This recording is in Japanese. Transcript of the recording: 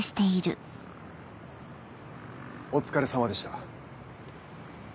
お疲れさまでした。